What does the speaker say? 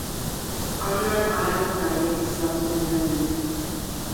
Աննան արագ նայեց Զազունյանին: